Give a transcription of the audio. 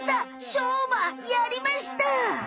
しょうまやりました！